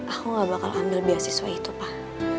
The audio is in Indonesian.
aku gak bakal ambil beasiswa itu pak